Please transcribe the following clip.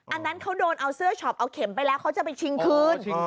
อันนั้นเขาโดนเอาเสื้อช็อปเอาเข็มไปแล้วเขาจะไปชิงคืน